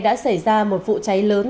đã xảy ra một vụ cháy lớn